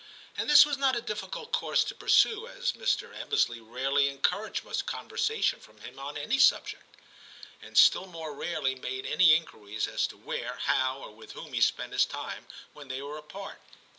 And this was not a difficult course to pursue, as Mr. Ebbesley rarely encouraged much conversation from him on any subject, and still more rarely made any inquiries as to where, how, or with whom he spent his time when they were apart.